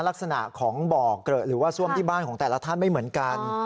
ลักษณะของบ่อเกลอะหรือว่าซ่วมที่บ้านของแต่ละท่านไม่เหมือนกัน